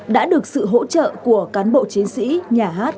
đã được sự hỗ trợ của cán bộ chiến sĩ nhà hát